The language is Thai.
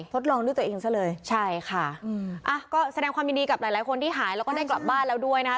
ทดลองด้วยตัวเองซะเลยใช่ค่ะอืมอ่ะก็แสดงความยินดีกับหลายหลายคนที่หายแล้วก็ได้กลับบ้านแล้วด้วยนะคะ